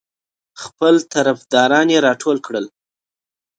خپل طرفداران یې راټول کړل.